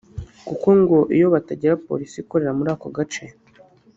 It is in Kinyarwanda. kuko ngo iyo batagira polisi ikorera muri aka gace